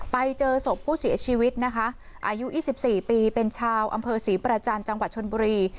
ไปเจอศพผู้เสียชีวิตนะคะอายุ๒๔ปีเป็นชาวอำเภอศรีประจันทร์จังหวัดชนบุรี